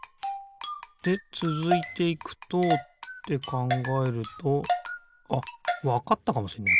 でつづいていくとってかんがえるとあっわかったかもしんない